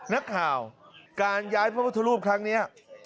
นักข่าวการย้ายพระพุทธรูปครั้งนี้